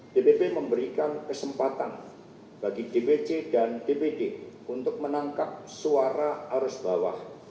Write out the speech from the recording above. dpp memberikan kesempatan bagi dpc dan dpd untuk menangkap suara arus bawah